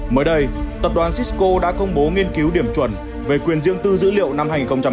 mới đây tập đoàn cisco đã công bố nghiên cứu điểm chuẩn về quyền diễn tư dữ liệu năm hai nghìn hai mươi hai